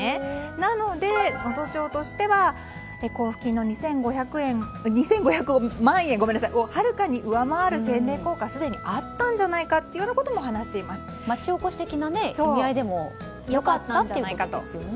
なので、能登町としては交付金の２５００万円をはるかに上回る宣伝効果がすでにあったんじゃないかと町おこし的な意味合いでも良かったってことですよね。